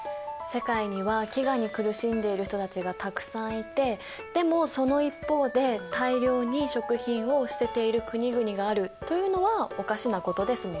世界には飢餓に苦しんでいる人たちがたくさんいてでもその一方で大量に食品を捨てている国々があるというのはおかしなことですもんね。